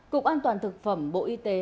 cục an toàn thực phẩm bộ y tế